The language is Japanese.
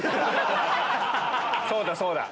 そうだそうだ。